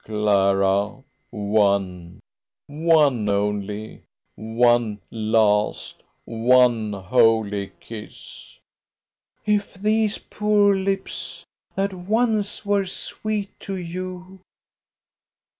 "Clara! one one only one last one holy kiss!" "If these poor lips, that once were sweet to you